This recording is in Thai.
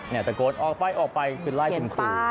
ตะโกนออกไปออกไปคือไล่คุณครู